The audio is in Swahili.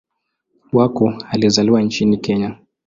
Wako alizaliwa nchini Kenya.